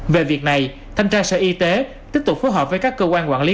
về việc này thanh tra sở y tế tiếp tục phối hợp với các cơ quan quản lý